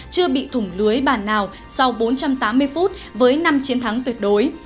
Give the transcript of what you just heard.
chưa bị thủng lưới bản nào sau bốn trăm tám mươi phút với năm chiến thắng tuyệt đối